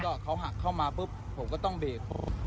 ก็เขาหักเข้ามาปุ๊บผมก็ต้องเบรก